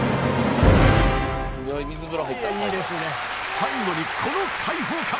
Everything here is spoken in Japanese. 最後にこの解放感！